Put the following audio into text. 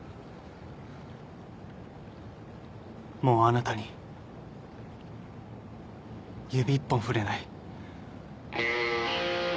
もうあなたに指一本触れない。